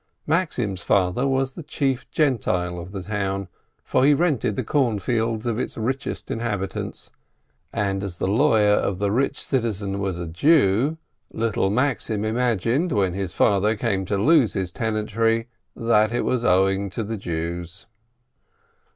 Maxim's father was the chief Gentile of the town, for he rented the corn fields of its richest inhabitant; and as the lawyer of the rich citizen was a Jew, little Maxim imagined, when his father came to lose his tenantry, that it was owing to the Jews.